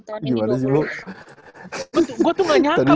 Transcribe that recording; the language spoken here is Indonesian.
ternyata gua tuh gak nyangka loh dia